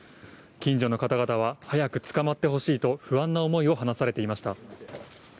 近所の方々は、早く捕まってほしいと、不安な思いを話されていました。